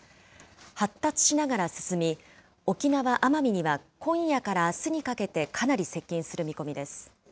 発達しながら進み、沖縄・奄美には今夜からあすにかけてかなり接近する見込みです。